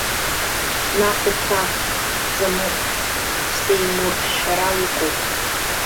Наҟ уца, бзамыҟә, сеимуршәшәара уҟоуп!